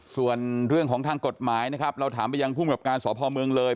ส่วนเรื่องของทางกฎหมายนะครับเราถามไปยังภูมิกับการสพเมืองเลย